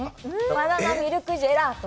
バナナミルクジェラート